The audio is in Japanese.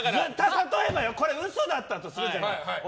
例えばよこれ嘘だったとするじゃない。